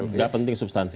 nggak penting substansi